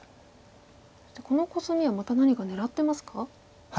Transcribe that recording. このコスミはまた何か狙ってますか？